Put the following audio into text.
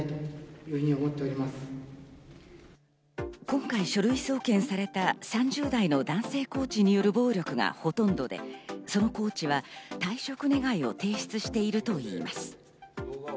今回、書類送検された３０代の男性コーチによる暴力がほとんどで、そのコーチは退職願を提出しているといいます。